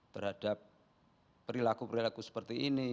terhadap perilaku perilaku seperti ini